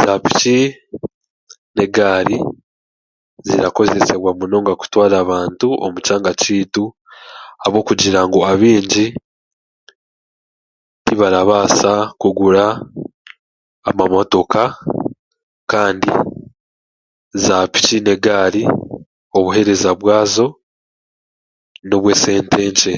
Z'apiikii n'egaari zirakozesebwa munonga kutwara abaantu omu kyanga kyeitu ahabw'okugira ngu abeingi tibarabaasa kugura amamotoka kandi z'apiiki n'egaali obuhereeza bwazo n'obwe sente nkye.